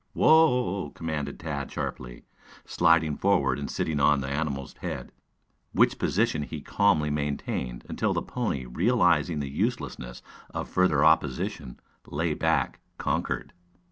"Whoa!" commanded Tad sharply, sliding forward and sitting on the animal's head, which position he calmly maintained, until the pony, realizing the uselessness of further opposition, lay back conquered.